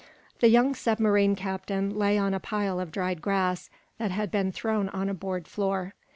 The young submarine captain lay on a pile of dried grass that had been thrown on a board floor.